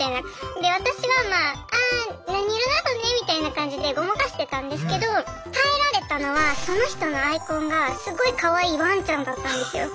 で私はまあみたいな感じでごまかしてたんですけど耐えられたのはその人のアイコンがすごいかわいいワンちゃんだったんですよ。